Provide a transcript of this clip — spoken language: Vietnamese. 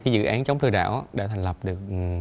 dự án chống lừa đảo đã thành lập được